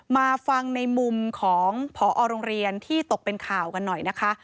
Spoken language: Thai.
มาฟังในมุมของพอโรงเรียนที่ตกเป็นข่าวกันหน่อยนะคะ